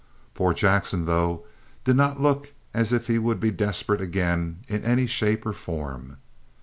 Poor Jackson, though, did not look as if he would be "desperate" again in any shape or form.